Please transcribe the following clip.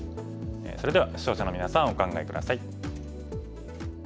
それでは視聴者のみなさんお考え下さい。